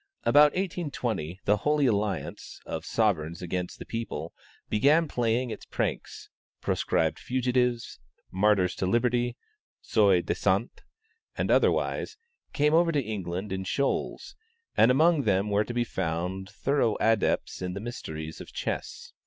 About 1820, the Holy Alliance (of Sovereigns against the people) began playing its pranks: proscribed fugitives, martyrs to liberty soi disant and otherwise came over to England in shoals, and amongst them were to be found thorough adepts in the mysteries of chess.